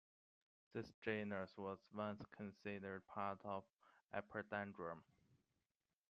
This genus was once considered part of "Epidendrum".